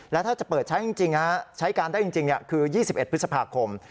แล้วถ้าจะเปิดใช้จริงใช้การได้จริงคือ๒๑พฤษภาคม